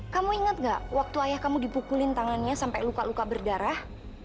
kamu ingat gak waktu ayah kamu dipukulin tangannya sampai luka luka berdarah